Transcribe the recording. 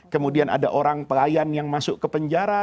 kemudian ada orang pelayan yang masuk ke penjara